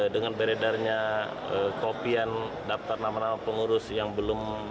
dengan beredarnya kopian daftar nama nama pengurus yang belum